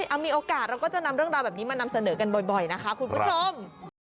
เอามีโอกาสเราก็จะนำเรื่องราวแบบนี้มานำเสนอกันบ่อยนะคะคุณผู้ชม